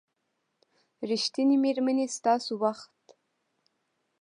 ریښتینې میرمنې ستاسو وخت